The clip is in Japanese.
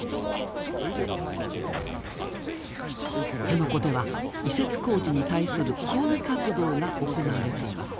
辺野古では移設工事に対する抗議活動が行われています。